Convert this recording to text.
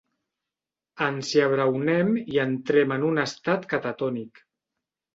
Ens hi abraonem i entrem en un estat catatònic.